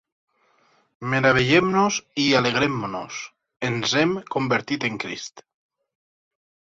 Meravellem-nos i alegrem-nos: ens hem convertit en Crist.